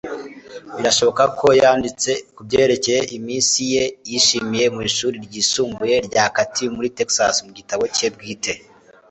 Birashoboka ko yanditse kubyerekeye iminsi ye yishimye mu ishuri ryisumbuye rya Katy muri Texas mu gitabo cye bwite